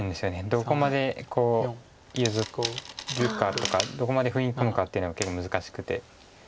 どこまで譲るかとかどこまで踏み込むかっていうのが結構難しくて。